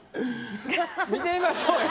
見てみましょうよ。